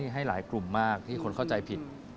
ให้หลายกลุ่มมากที่คนเข้าใจผิด